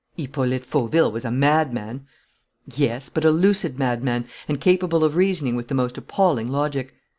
"Hippolyte Fauville was a madman." "Yes, but a lucid madman and capable of reasoning with the most appalling logic.